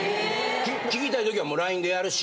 聞きたい時はもうＬＩＮＥでやるし。